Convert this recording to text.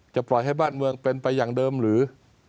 ปล่อยให้บ้านเมืองเป็นไปอย่างเดิมหรือ